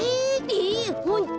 えホント？